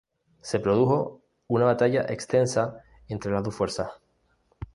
Se produjo una batalla extensa entre las dos fuerzas.